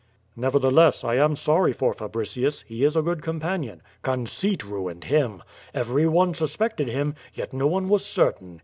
"Nevertheless, I am sorry for Fabricius; he is a good com panion.^^ "Conceit ruined him. Every one suspected him, yet no one was certain.